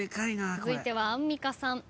続いてはアンミカさん。